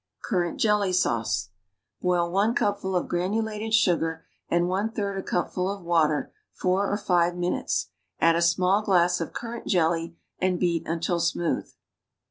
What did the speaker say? CURRANT JELLY SAUCE Boil one cupful of granulated sugar and one third a cupful of water four or hve minutes; add u small glass of currant jelly and beat unlil smooth.